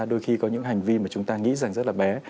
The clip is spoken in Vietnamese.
đôi khi có những hành vi mà chúng ta nghĩ rằng rất là bé